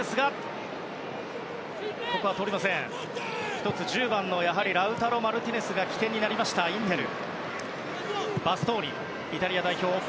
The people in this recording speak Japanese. １つ、やはり１０番のラウタロ・マルティネスが起点になりましたインテル。